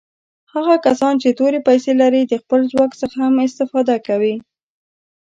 هغه کسان چې تورې پیسي لري د خپل ځواک څخه هم استفاده کوي.